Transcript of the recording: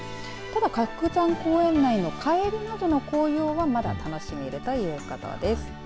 鶴山公園内のかえでなどの紅葉はまだ楽しめるということです。